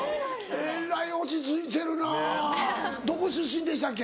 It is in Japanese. えらい落ち着いてるなどこ出身でしたっけ？